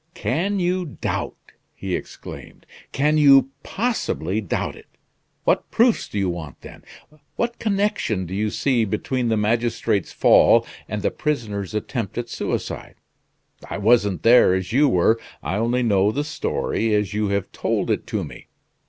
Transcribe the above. "Can you doubt?" he exclaimed. "Can you possibly doubt it? What proofs do you want then? What connection do you see between the magistrate's fall and the prisoner's attempt at suicide? I wasn't there as you were; I only know the story as you have told it to me.